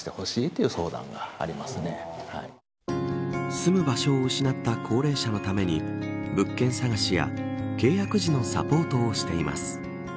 住む場所を失った高齢者のために物件探しや契約時のサポートをしています。